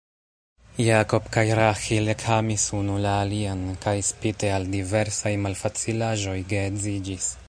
Jakob kaj Raĥil ekamis unu la alian, kaj, spite al diversaj malfacilaĵoj, geedziĝis.